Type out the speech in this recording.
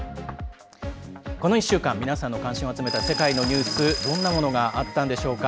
この１週間、皆さんの関心を集めた世界のニュースどんなものがあったんでしょうか。